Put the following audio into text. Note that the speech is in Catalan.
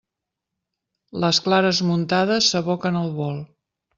Les clares muntades s'aboquen al bol.